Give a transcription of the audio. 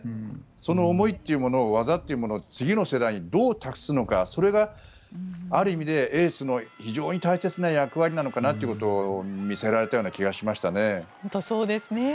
その思いっていうもの技っていうものを次の世代にどう託すのかそれがある意味でエースの非常に大切な役割なのかなということを見せられたような気がしましたね。